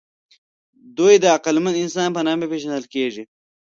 دوی د عقلمن انسان په نامه پېژندل کېږي.